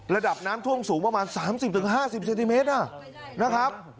ระดับน้ำท่วมสูงประมาณ๓๐๕๐เซนติเมตรนะครับ